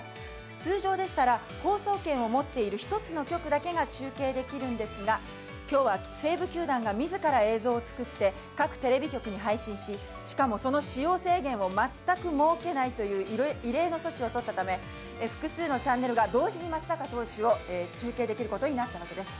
通常でしたら放送権を持っている１つの局だけが中継できるんですが、今日は西武球団が自ら映像を作って各テレビ局に配信し、しかも制限を全く設けないという異例の措置を取ったため、複数のチャンネルが同時に松坂投手を中継できることになったのです。